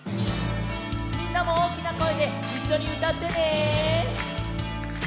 みんなもおおきなこえでいっしょにうたってね。